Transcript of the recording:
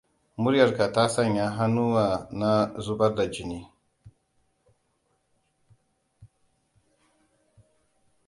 Muryarka ta sanya kunnuwa na zubar da jini!